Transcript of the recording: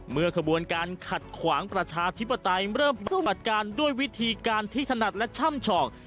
เมื่อขบวนการขัดขวางประชาชิบปฏิเริ่มสู้บัติการด้วยวิธีการทิศนัดและช่ำชอง